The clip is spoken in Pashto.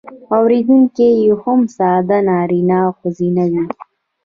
اوریدونکي یې هم ساده نارینه او ښځینه وي.